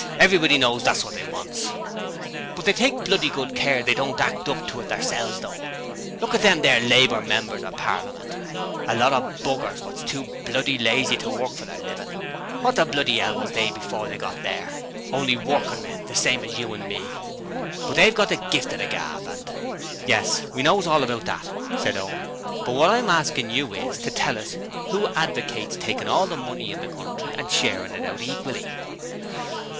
Everybody knows that's what they wants. But they take bloody good care they don't act up to it theirselves, though. Look at them there Labour members of Parliament a lot of b rs what's too bloody lazy to work for their livin'! What the bloody 'ell was they before they got there? Only workin' men, the same as you and me! But they've got the gift o' the gab and ' 'Yes, we know all about that,' said Owen, 'but what I'm asking you is to tell us who advocates taking all the money in the country and sharing it out equally?'